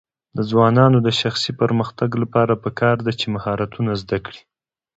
د ځوانانو د شخصي پرمختګ لپاره پکار ده چې مهارتونه زده کړي.